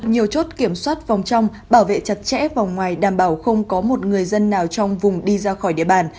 nhiều chốt kiểm soát vòng trong bảo vệ chặt chẽ vòng ngoài đảm bảo không có một người dân nào trong vùng đi ra khỏi địa bàn